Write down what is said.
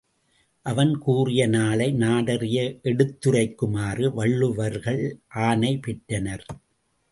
அவன் கூறிய நாளை நாடறிய எடுத்துரைக்குமாறு வள்ளுவர்கள் ஆணை பெற்றனர்.